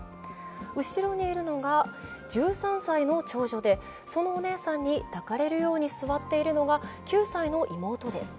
後ろにいるのが１３歳の長女で、そのお姉さんに抱かれるように座っているのが９歳の妹です。